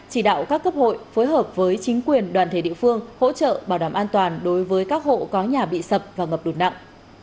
chỉ đạo các cấp hội phối hợp với chính quyền đoàn thể địa phương hỗ trợ bảo đảm an toàn đối với các hộ có nhà bị sập và ngập lụt nặng